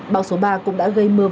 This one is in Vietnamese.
bão số ba cũng đã gây mưa vàng